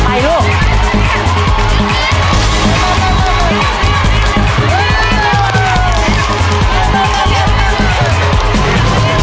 ไม่ออกไปลูก